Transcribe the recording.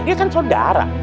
dia kan saudara